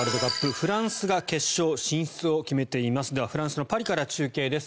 フランスのパリから中継です。